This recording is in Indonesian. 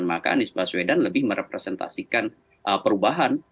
maka anies baswedan lebih merepresentasikan perubahan